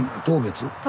当別。